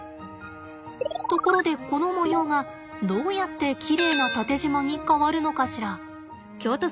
ところでこの模様がどうやってきれいなタテジマに変わるのかしら？